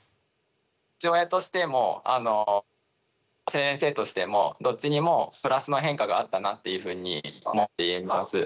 父親としても先生としてもどっちにもプラスの変化があったなっていうふうに思っています。